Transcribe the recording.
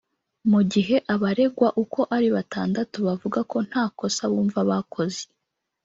Mu gihe abaregwa uko ari batandatu bavuga ko nta kosa bumva bakoze